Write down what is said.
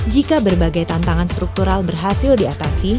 jika berbagai tantangan struktural berhasil diatasi